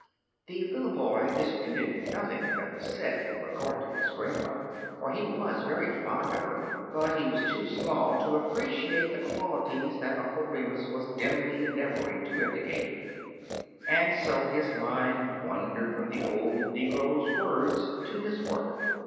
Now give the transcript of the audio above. The little boy disputed nothing that was said in regard to his grandmother, for he was very fond of her; but he was too small to appreciate the qualities that Uncle Re mus was dimly endeavoring to indicate, and so his mind wandered from the old negro's words to his work.